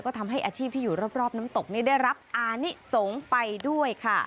ก็ทำให้อาชีพที่อยู่รอบน้ำตกนี้ได้รับอานิสงฆ์ไปด้วยค่ะ